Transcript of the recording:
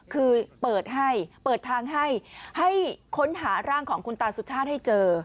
คือเปิดให้เปิดทางให้ให้ค้นหาร่างของคุณตาสุชาติให้เจอ